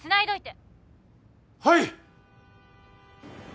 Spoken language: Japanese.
はい！